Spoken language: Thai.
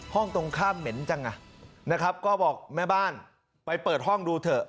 ห้องตรงข้ามเหม็นจังอ่ะนะครับก็บอกแม่บ้านไปเปิดห้องดูเถอะ